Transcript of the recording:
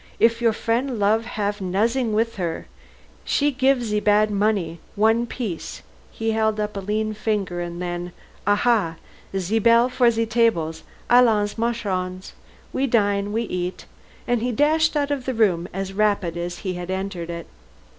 If your frien' love, haf nozzin' wis her. She gif ze bad money, one piece " he held up a lean finger, and then, "Aha! ze bell for ze tables. Allons, marchons. We dine we eat," and he dashed out of the room as rapidly as he had entered it.